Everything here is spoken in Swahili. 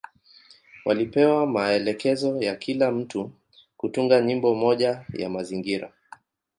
Walipewa maelekezo ya kila mtu kutunga nyimbo moja ya mazingira.